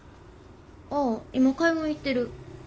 あっ今買い物行ってる。